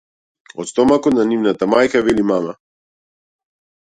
Од стомакот на нивната мајка, вели мама.